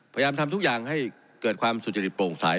พยายามทำทุกอย่างให้เกิดความสุจริตโปร่งใส